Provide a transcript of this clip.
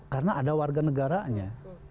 karena ada warga negaranya